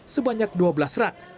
sebanyak dua belas rat